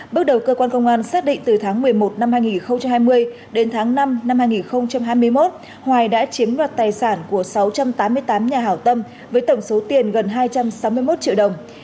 bước đầu cơ quan công an xác định từ tháng một mươi một năm hai nghìn hai mươi đến tháng năm năm hai nghìn hai mươi một hoài đã chiếm đoạt tài sản của sáu trăm tám mươi tám nhà hảo tâm với tổng số tiền gần hai trăm sáu mươi một triệu đồng